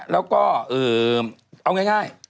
แล้วก็เอายังไง